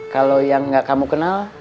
kalau yang nggak kamu kenal